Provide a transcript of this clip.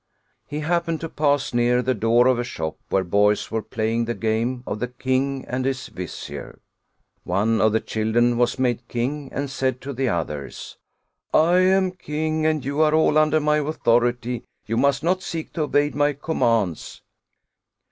He happened to pass near the door of a shop where boys were playing the game of " The King and his Vizier." One of the children was made king, and said to the others: " I am king and you are all under my authority; you must not seek to evade my commands."